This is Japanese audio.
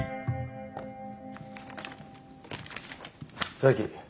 佐伯。